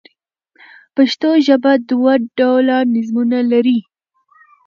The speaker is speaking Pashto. پښتو ژبه دوه ډوله نظمونه لري.